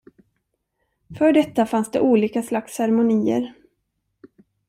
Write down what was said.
För detta fanns det olika slags ceremonier.